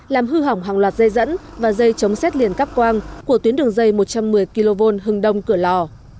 làm hư hỏng hàng loạt dây dẫn và dây chống xét liền cắp quang của tuyến đường dây một trăm một mươi kv hưng đông cửa lò